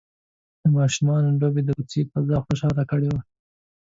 د ماشومانو لوبې د کوڅې فضا خوشحاله کړې وه.